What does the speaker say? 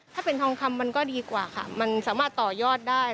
ถ้าเป็นทองคำมันก็ดีกว่าค่ะมันสามารถต่อยอดได้